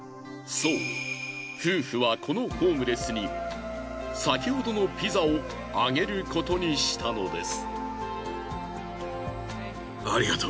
そう夫婦はこのホームレスに先ほどのピザをあげることにしたのです。